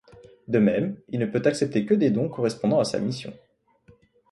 De même, il ne peut accepter que des dons correspondant à sa mission.